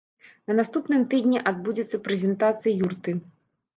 На наступным тыдні адбудзецца прэзентацыя юрты.